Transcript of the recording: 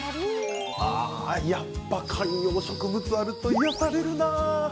やっぱ観葉植物あると癒やされるな。